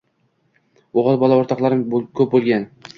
O‘g‘il bola o‘rtoqlarim ko‘p bo‘lgan